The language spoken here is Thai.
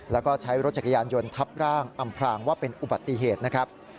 แล้วก็ใช้รถจักรยานยนต์ทับร่างอำพรางว่าเป็นอุบัติเหตุนะครับ